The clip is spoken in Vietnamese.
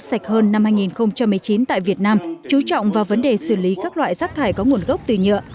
sạch hơn năm hai nghìn một mươi chín tại việt nam chú trọng vào vấn đề xử lý các loại rác thải có nguồn gốc từ nhựa